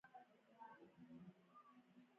د فراه باغونه انار لري.